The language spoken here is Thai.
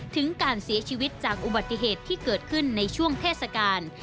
ถึงการเสียชีวิตจากอุบัติเหตุที่เกิดขึ้นในช่วงเทศกาล